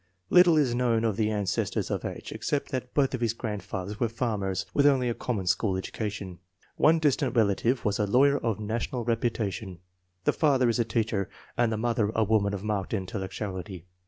Little is known of the ancestors of H. except that both of his grandfathers were farmers with only a common school education. One distant relative was a lawyer of national reputation. The father is a teacher and the mother a woman of marked intellec tuality.